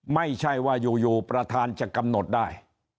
ไม่ใช่ว่าอยู่ประธานจะกำหนดได้